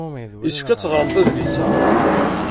Yessefk ad teɣremt adlis-a.